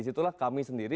disitulah kami sendiri